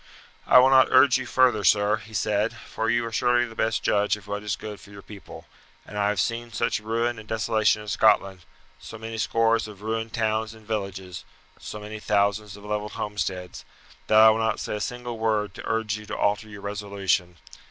"I will not urge you further, sir," he said, "for you are surely the best judge of what is good for your people, and I have seen such ruin and desolation in Scotland, so many scores of ruined towns and villages, so many thousands of levelled homesteads, that I will not say a single word to urge you to alter your resolution.